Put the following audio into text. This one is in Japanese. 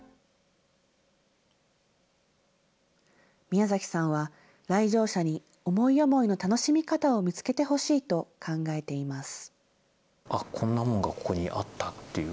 宮崎さんは来場者に、思い思いの楽しみ方を見つけてほしいと考えています。